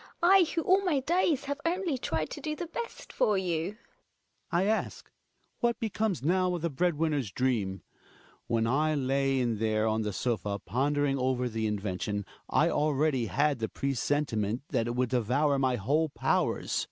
I, who all my days have only tried to do the best for you ! UTidUNt ^ Hjalmar. I ask — what becomes now of the bread winner's dream? When I lay in there on the sofa pondering over the invention, I already had the pre sentiment that it would devour my whole powers.